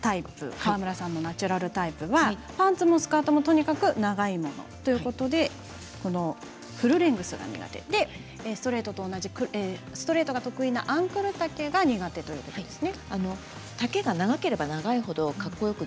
川村さんのナチュラルタイプはパンツもスカートもとにかく長いものということでフルレングスが得意ストレートが得意なアンクル丈が苦手なんですね。